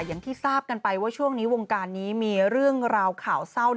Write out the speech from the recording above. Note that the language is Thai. อย่างที่ทราบกันไปว่าช่วงนี้วงการนี้มีเรื่องราวข่าวเศร้า